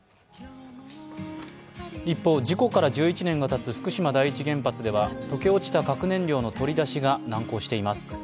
一方、事故から１１年がたつ福島第一原発では溶け落ちた核燃料の取り出しが難航しています。